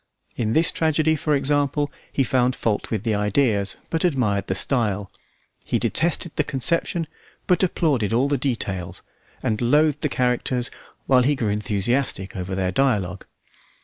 In this tragedy, for example, he found fault with the ideas, but admired the style; he detested the conception, but applauded all the details, and loathed the characters while he grew enthusiastic over their dialogue.